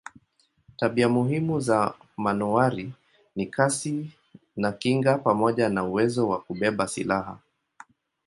Tabia muhimu za manowari ni kasi na kinga pamoja na uwezo wa kubeba silaha.